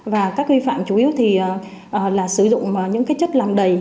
và các vi phạm chủ yếu thì là sử dụng những chất làm đầy